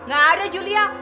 gak ada julia